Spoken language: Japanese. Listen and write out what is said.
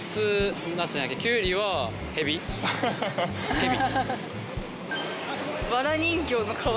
ヘビ？